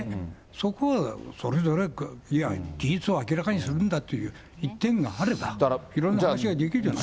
そこはそれぞれ、いや、事実を明らかにするんだという一点があれば、いろんな話ができるじゃない。